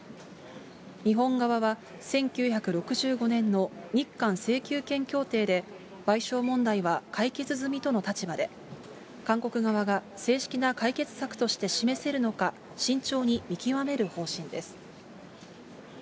日本側は、１９６５年の日韓請求権協定で、賠償問題は解決済みとの立場で、韓国側が正式な解決策として示せるのか慎重に見極める方針です。